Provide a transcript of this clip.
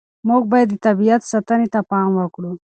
موږ باید د طبیعت ساتنې ته پام وکړو.